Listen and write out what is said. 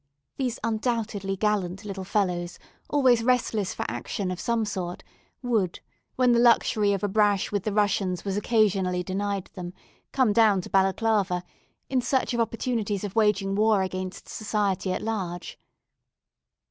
These undoubtedly gallant little fellows, always restless for action, of some sort, would, when the luxury of a brash with the Russians was occasionally denied them, come down to Balaclava, in search of opportunities of waging war against society at large.